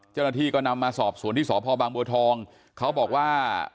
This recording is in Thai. เจ้าหน้าที่ก็นำมาสอบสวนที่สพบางบัวทองเขาบอกว่า